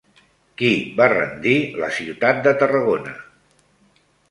Qui va rendir la ciutat de Tarragona?